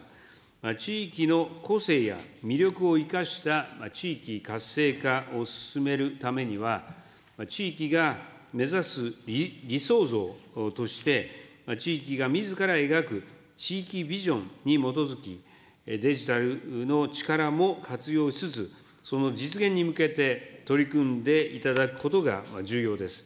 地域の個性や魅力を生かした地域活性化を進めるためには、地域が目指す理想像として、地域がみずから描く地域ビジョンに基づき、デジタルの力も活用しつつ、その実現に向けて取り組んでいただくことが重要です。